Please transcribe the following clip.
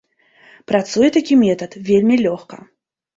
Працуе такі метад вельмі лёгка.